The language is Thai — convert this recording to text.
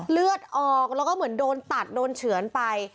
เลือดออกแล้วก็เหมือนโดนตัดโดนเฉือนไป